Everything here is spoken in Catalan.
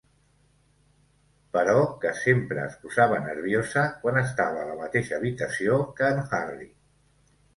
Però que sempre es posava nerviosa quan estava a la mateixa habitació que en Harry.